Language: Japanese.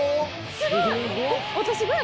すごい！